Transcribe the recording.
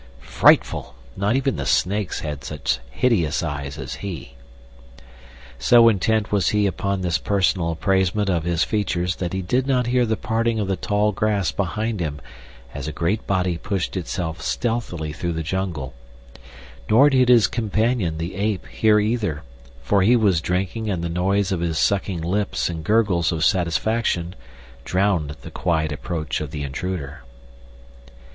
Frightful! not even the snakes had such hideous eyes as he. So intent was he upon this personal appraisement of his features that he did not hear the parting of the tall grass behind him as a great body pushed itself stealthily through the jungle; nor did his companion, the ape, hear either, for he was drinking and the noise of his sucking lips and gurgles of satisfaction drowned the quiet approach of the intruder.